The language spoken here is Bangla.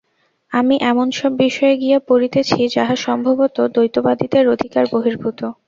আমি এমন সব বিষয়ে গিয়া পড়িতেছি, যাহা সম্ভবত দ্বৈতবাদীদের অধিকার-বহির্ভূত।